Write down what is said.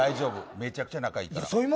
めちゃくちゃ仲いいから。